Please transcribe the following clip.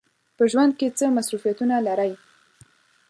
په ژوند کې څه مصروفیتونه لرئ؟